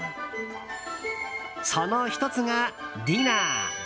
その１つがディナー。